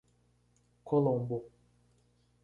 Colombo